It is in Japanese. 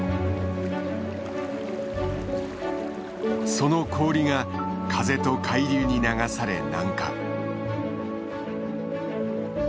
その氷が風と海流に流され南下。